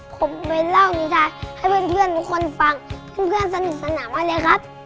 ผมเลยเล่านิทาให้เพื่อนทุกคนฟังเพื่อนสนุกสนานมากเลยครับ